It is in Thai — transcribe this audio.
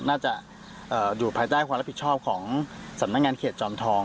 น่าจะอยู่ภายใต้ความรับผิดชอบของสำนักงานเขตจอมทอง